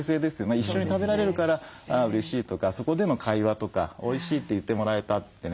一緒に食べられるからうれしいとかそこでの会話とか「おいしい」って言ってもらえたってね。